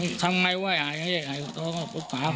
คุ้นรู้จักครับว่าผมมากับเขาปรึกษาเขา